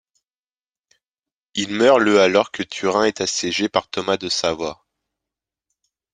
Il meurt le alors que Turin est assiégée par Thomas de Savoie.